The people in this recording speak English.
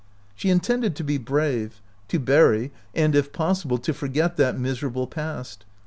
She intended to be brave, to bury and, if possible, to forget that miserable past.